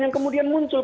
yang kemudian muncul